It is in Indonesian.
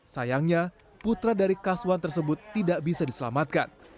sayangnya putra dari kaswan tersebut tidak bisa diselamatkan